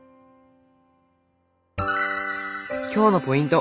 今日のポイント！